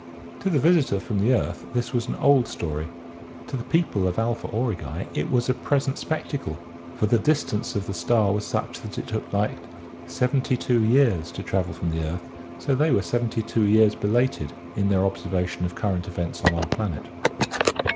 To the visitor from the earth this was an old story, to the people of Alpha Aurigae it was a present spectacle, for the distance of the star was such that it took light 72 years to travel from the earth, so they were 72 years belated in their observation of current events on our planet.